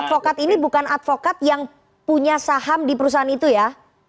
advokat ini bukan advokat yang punya saham di perusahaan itu ya